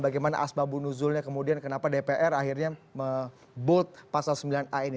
bagaimana asma bunuzulnya kemudian kenapa dpr akhirnya mem boot pasal sembilan a ini